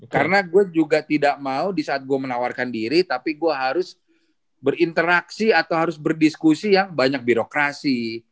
karena gue juga tidak mau disaat gue menawarkan diri tapi gue harus berinteraksi atau harus berdiskusi yang banyak birokrasi